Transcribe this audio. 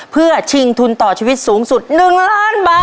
เพื่อชิงทุนต่อชีวิตสูงสุด๑ล้านบาท